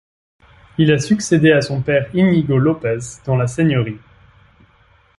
Il a succédé à son père Iñigo Lopez dans la seigneurie.